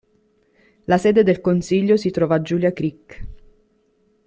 La sede del consiglio si trova a Julia Creek.